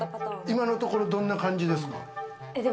今のところどんな感じですか？